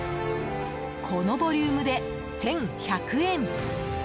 このボリュームで１１００円。